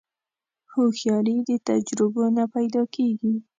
هوښیاري د تجربو نه پیدا کېږي.